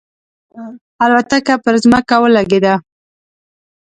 الوتکه پر ځمکه ولګېده.